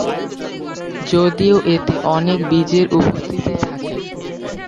যদিও এতে অনেক বীজের উপস্থিতি থাকে।